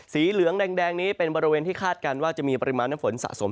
สีเหลืองแดงนี้เป็นบริเวณที่คาดการณ์ว่าจะมีปริมาณน้ำฝนสะสม